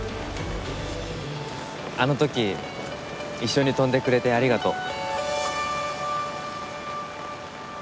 あの時一緒に飛んでくれてありがとう。